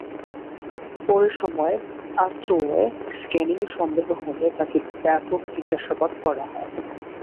পরে সময়ে আর্চওয়ে স্ক্যানিংয়ে সন্দেহ হলে তাঁকে ব্যাপক জিজ্ঞাসাবাদ করা হয়।